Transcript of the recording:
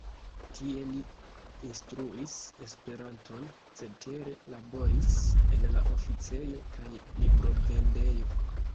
Tie li instruis Esperanton, cetere laboris en la oficejo kaj librovendejo.